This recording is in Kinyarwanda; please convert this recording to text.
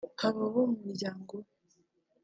Haba abo mu muryango we